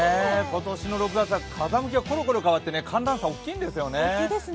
今年の６月は風向きがコロコロ変わって寒暖差、大きいんですよね。